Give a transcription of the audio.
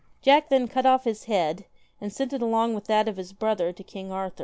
189 JACK THE Jack then cut off his head, and sent it along with GIANT that of his brother to King Arthur.